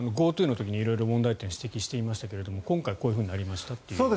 ＧｏＴｏの時に色々問題点を指摘していましたが今回こうなりましたという。